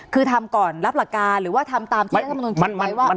คือทำก่อนรับหลักการหรือว่าทำตามที่รัฐมนุนเขียนไว้ว่า